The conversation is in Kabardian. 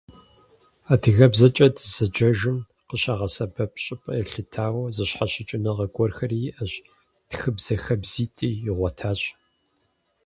Адыгэбзэкӏэ дызэджэжым къыщагъэсэбэп щӏыпӏэ елъытауэ, зыщхьэщыкӏыныгъэ гуэрхэри иӏэщ, тхыбзэ хабзитӏи игъуэтащ.